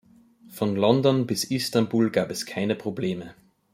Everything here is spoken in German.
Von London bis Istanbul gab es keine Probleme.